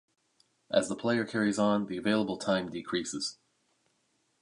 As the player carries on, the available time decreases.